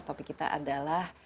topik kita adalah